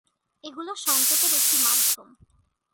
এগুলো সংকেতের একটি মাধ্যম।